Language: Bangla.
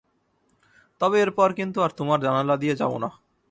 তবে এরপর কিন্তু আর তোমার জানালা দিয়ে যাবো না।